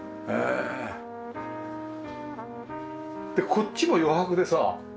こっちも余白でさ